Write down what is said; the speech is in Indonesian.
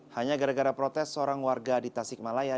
hanya gara gara protes seorang warga di tasikmalaya